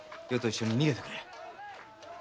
余と一緒に逃げてくれ。